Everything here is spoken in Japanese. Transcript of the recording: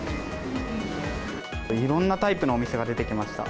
いろんなタイプのお店が出てきました。